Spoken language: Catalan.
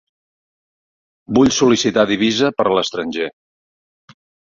Vull sol·licitar divisa per a l'estranger.